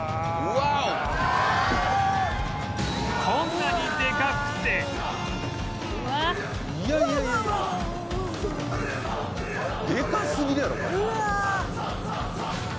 こんなにでかくてでかすぎやろこれ。